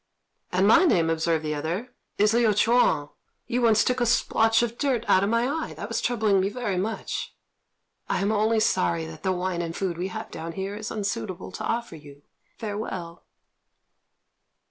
"And my name," observed the other, "is Liu Ch'üan. You once took a splotch of dirt out of my eye that was troubling me very much. I am only sorry that the wine and food we have down here is unsuitable to offer you. Farewell."